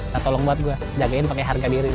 tolong buat gue jagain pake harga diri